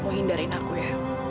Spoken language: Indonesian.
tolong hindarin aku ya